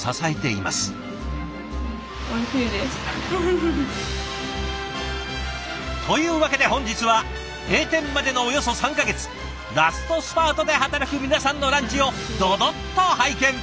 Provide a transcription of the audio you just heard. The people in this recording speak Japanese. おいしいです。というわけで本日は閉店までのおよそ３か月ラストスパートで働く皆さんのランチをドドッと拝見。